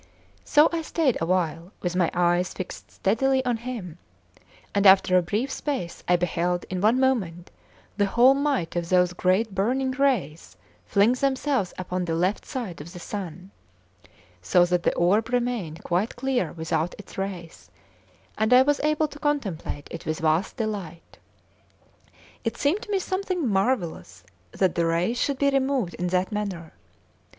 So I stayed awhile with my eyes fixed steadily on him; and after a brief space I beheld in one moment the whole might of those great burning rays fling themselves upon the left side of the sun; so that the orb remained quite clear without its rays, and I was able to contemplate it with vast delight. It seemed to me something marvellous that the rays should be removed in that manner.